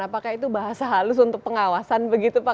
apakah itu bahasa halus untuk pengawasan begitu pak